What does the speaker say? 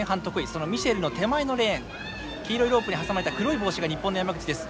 そのミシェルの手前のレーン黄色いロープに挟まれた黒い帽子が日本の山口です。